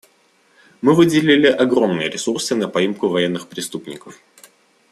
Мы выделили огромные ресурсы на поимку военных преступников.